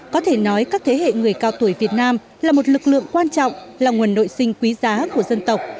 có thể nói các thế hệ người cao tuổi việt nam là một lực lượng quan trọng là nguồn nội sinh quý giá của dân tộc